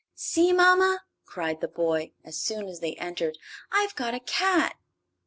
"See, mama!" cried the boy, as soon as they entered, "I've got a cat!"